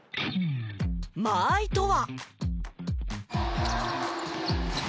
間合いとは。